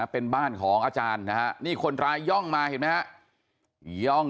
เป็นบ้านของอาจารย์นะฮะนี่คนร้ายย่องมาเห็นไหมฮะ